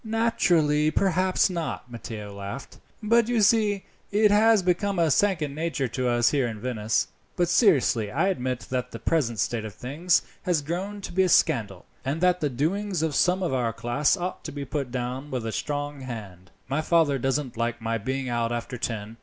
"Naturally perhaps not," Matteo laughed; "but you see it has become a second nature to us here in Venice. But seriously I admit that the present state of things has grown to be a scandal, and that the doings of some of our class ought to be put down with a strong hand." "Well, I shall say goodnight now," the English boy said. "My father doesn't like my being out after ten.